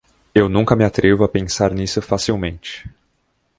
Eu nunca me atrevo a pensar nisso facilmente